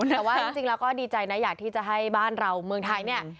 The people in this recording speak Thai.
แต่ว่าจริงแล้วก็ดีใจนะอยากที่จะให้บ้านเราเมืองไทยเนี่ย